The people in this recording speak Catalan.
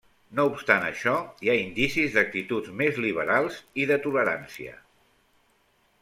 No obstant això, hi ha indicis d'actituds més liberals i de tolerància.